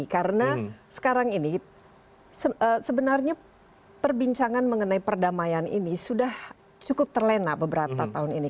karena sekarang ini sebenarnya perbincangan mengenai perdamaian ini sudah cukup terlena beberapa tahun ini